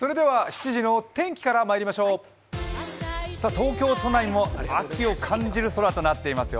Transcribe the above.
東京都内も秋を感じる空となっていますよ。